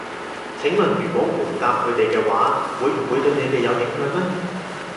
請問如果回答佢哋嘅話，會唔會對你哋有影響呢？